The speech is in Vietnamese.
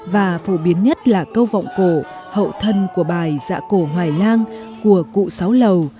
và phổ biến nhất là câu vọng cổ hậu thân của bài dạ cổ hoài lang của cụ sáu lầu